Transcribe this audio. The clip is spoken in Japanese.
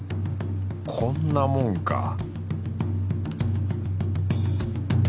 こんなもんか